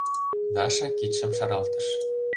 — Даша кидшым шаралтыш.